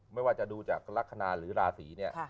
ไม่ว่าจะดูจากลักษณะหรือราศีเนี่ย